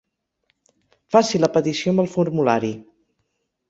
Faci la petició amb el formulari.